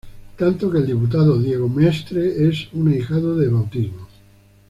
Tanto, que el diputado Diego Mestre es su ahijado de bautismo.